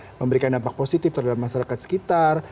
dan juga memberikan dampak positif terhadap masyarakat sekitar